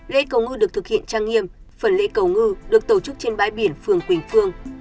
lễ cầu ngư được thực hiện trang nghiêm phần lễ cầu ngư được tổ chức trên bãi biển phường quỳnh phương